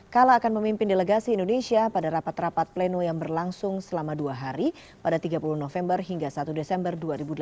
kala akan memimpin delegasi indonesia pada rapat rapat pleno yang berlangsung selama dua hari pada tiga puluh november hingga satu desember dua ribu delapan belas